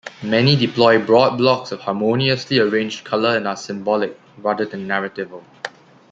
Many deploy broad blocks of harmoniously arranged colour and are symbolic rather than narratival.